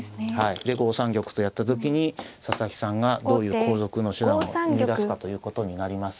で５三玉とやった時に佐々木さんがどういう後続の手段を見いだすかということになります。